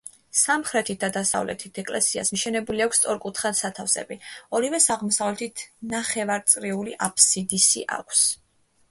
სამხრეთით და დასავლეთით ეკლესიას მიშენებული აქვს სწორკუთხა სათავსები; ორივეს აღმოსავლეთით ნახევარწრიული აფსიდი აქვს.